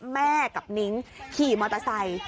แม่กับนิ้งขี่มอเตอร์ไซค์